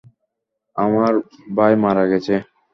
আমার ভাই মারা গেছে।